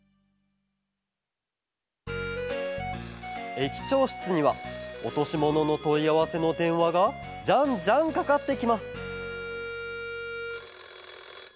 駅長しつにはおとしもののといあわせのでんわがじゃんじゃんかかってきます